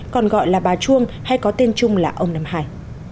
còn gọi là bà chuông hay có tên chung là ông nam hải